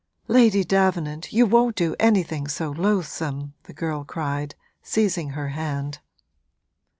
'Lady Davenant, you won't do anything so loathsome!' the girl cried, seizing her hand.